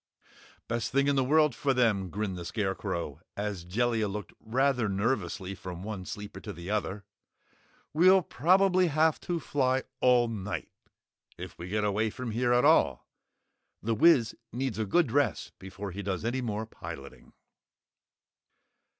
"Best thing in the world for them," grinned the Scarecrow, as Jellia looked rather nervously from one sleeper to the other. "We'll probably have to fly all night if we get away from here at all! The Wiz needs a good rest before he does any more piloting."